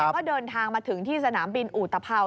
ก็เดินทางมาถึงที่สนามบินอุตภัว